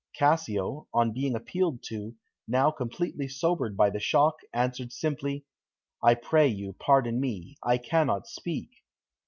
Cassio, on being appealed to, now completely sobered by the shock, answered simply, "I pray you, pardon me; I cannot speak."